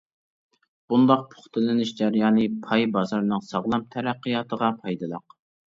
بۇنداق پۇختىلىنىش جەريانى پاي بازىرىنىڭ ساغلام تەرەققىياتىغا پايدىلىق.